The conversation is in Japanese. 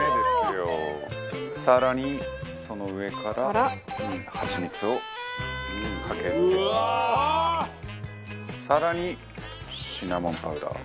齊藤：更に、その上からハチミツをかけ更に、シナモンパウダーを。